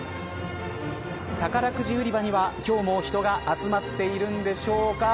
宝くじ売り場には今日も人が集まっているんでしょうか。